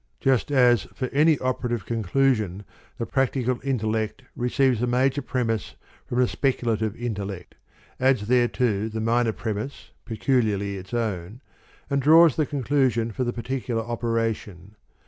xiv] DE MONARCHIA 53 as for any operative conclusion the practical in tellect receives the major premise from the spec ulative intellect, adds thereto the minor premise peculiarly its own, and draws the conclusion for the particularoperation.